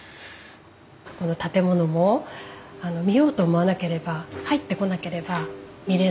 この建物も見ようと思わなければ入ってこなければ見れない。